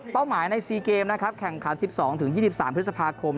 เป้าหมายในซีเกมนะครับแข่งขาด๑๒ถึง๒๓พฤษภาคม